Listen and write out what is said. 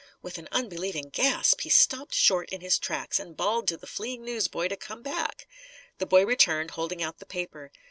With an unbelieving gasp, he stopped short in his tracks and bawled to the fleeing newsboy to come back. The boy returned, holding out the paper.